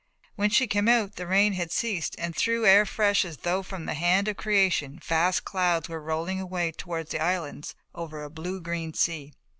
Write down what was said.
When she came out the rain had ceased and through air fresh as though from the hand of Creation vast clouds were rolling away towards the islands over a blue green sea.